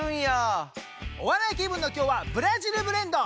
お笑い気分の今日はブラジル・ブレンド！